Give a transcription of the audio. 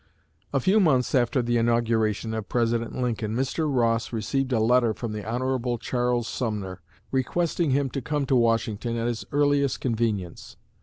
A few months after the inauguration of President Lincoln, Mr. Ross received a letter from the Hon. Charles Sumner, requesting him to come to Washington at his earliest convenience.